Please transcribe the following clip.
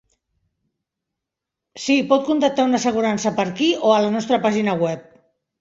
Sí, pot contractar una assegurança per aquí, o a la nostra pàgina web.